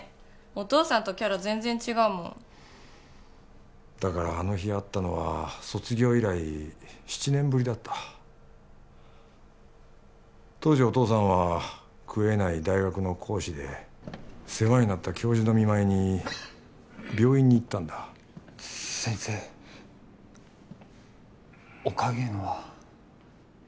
お父さんとキャラ全然違うもんだからあの日会ったのは卒業以来７年ぶりだった当時お父さんは食えない大学の講師で世話になった教授の見舞いに病院に行ったんだ先生お加減は？